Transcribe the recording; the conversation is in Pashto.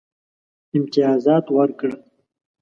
امتیازات ورکړل.